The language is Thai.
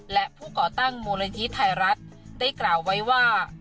และผู้ก่อตั้งมูลนิธิไทยรัฐได้กล่าวไว้ว่า